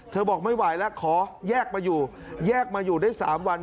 บอกไม่ไหวแล้วขอแยกมาอยู่แยกมาอยู่ได้๓วัน